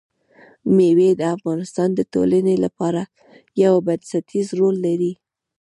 مېوې د افغانستان د ټولنې لپاره یو بنسټيز رول لري.